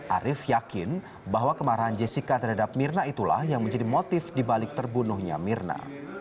arief yakin bahwa kemarahan jessica terhadap mirna itulah yang menjadi motif dibalik terbunuhnya mirna